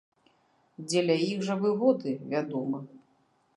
Дзеля іх жа выгоды, вядома.